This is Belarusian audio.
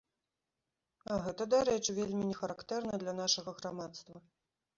А гэта, дарэчы, вельмі не характэрна для нашага грамадства.